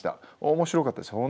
面白かったですよ。